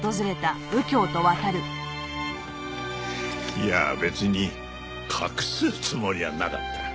いやあ別に隠すつもりはなかった。